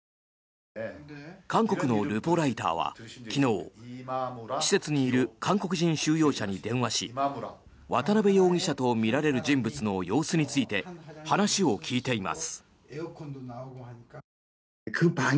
韓国のルポライターは昨日、施設にいる韓国人収容者に電話し渡邉容疑者とみられる人物の様子について話を聞いています。